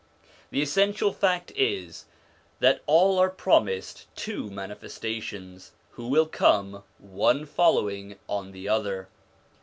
The essential fact is that all are promised two Manifesta tions, who will come, one following on the other.